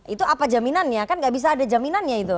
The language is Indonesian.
itu apa jaminannya kan gak bisa ada jaminannya itu